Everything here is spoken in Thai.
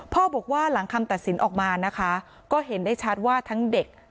บอกว่าหลังคำตัดสินออกมานะคะก็เห็นได้ชัดว่าทั้งเด็ก